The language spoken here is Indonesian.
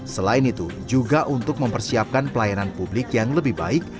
selain itu juga untuk mempersiapkan pelayanan publik yang lebih baik